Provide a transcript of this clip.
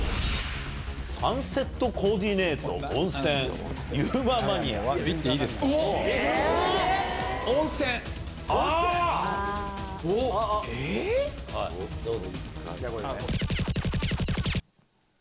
サンセットコーディネイト、温泉、いっていいですか？